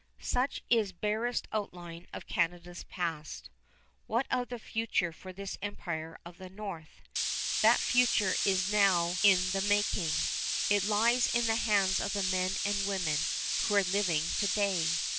Such is barest outline of Canada's past. What of the future for this Empire of the North? That future is now in the making. It lies in the hands of the men and women who are living to day.